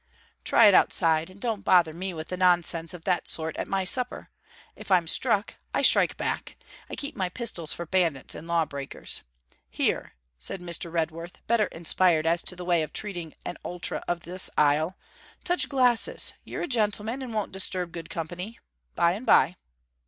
'Try it outside, and don't bother me with nonsense of that sort at my supper. If I'm struck, I strike back. I keep my pistols for bandits and law breakers. Here,' said Mr. Redworth, better inspired as to the way of treating an ultra of the isle; 'touch glasses: you're a gentleman, and won't disturb good company. By and by.'